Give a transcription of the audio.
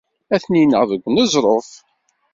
Ad ten-ineɣ deg uneẓruf.